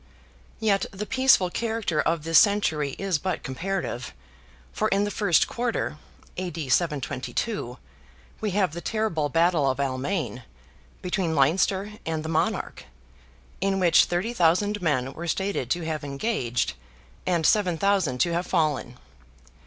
Yet the peaceful character of this century is but comparative, for in the first quarter (A.D. 722), we have the terrible battle of Almain, between Leinster and the Monarch, in which 30,000 men were stated to have engaged, and 7,000 to have fallen.